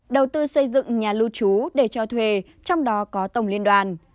đầu tư xây dựng nhà lưu trú để cho thuê trong đó có tổng liên đoàn